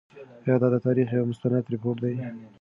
آیا دا د تاریخ یو مستند رپوټ دی؟